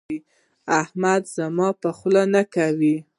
احمد زما په خوله نه کوي.